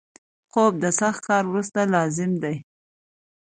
خوب د سخت کار وروسته لازم دی